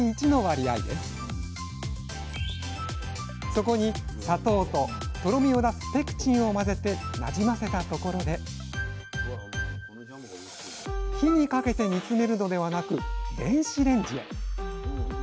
そこに砂糖ととろみを出すペクチンを混ぜてなじませたところで火にかけて煮詰めるのではなく電子レンジへ。